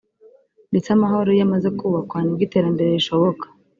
ndetse amahoro iyo amaze kubakwa ni bwo iterambere rishoboka